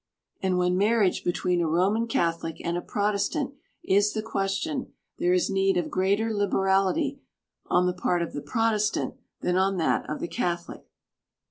And when marriage between a Roman Catholic and a Protestant is the question, there is need of greater liberality on the part of the Protestant than on that of the Catholic.